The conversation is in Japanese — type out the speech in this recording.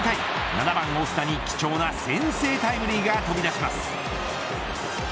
７番、オスナに貴重な先制タイムリーが飛び出します。